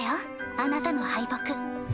あなたの敗北。